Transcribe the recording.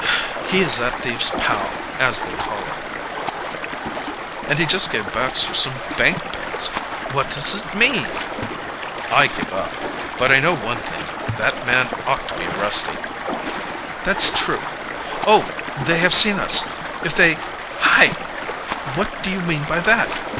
"He is that thief's pal, as they call it." "And he just gave Baxter some bank bills! What does it mean?" "I give it up. But I know one thing that man ought to be arrested!" "That's true. Oh! they have seen us! If they hi! what do you mean by that?"